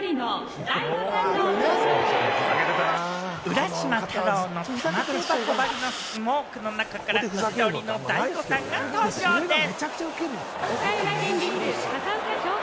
浦島太郎ばりのスモークの中から千鳥の大悟さんが登場でぃす。